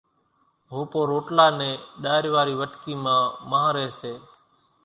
ڀوپو روٽلا نين ڏار واري وٽڪي مان مانھري سي